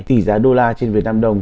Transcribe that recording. tỷ giá đô la trên việt nam đồng